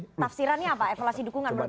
tafsirannya apa evaluasi dukungan menurut anda